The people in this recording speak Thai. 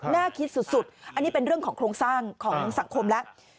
น่าคิดสุดอันนี้เป็นเรื่องของโครงสร้างของสังคมแล้ว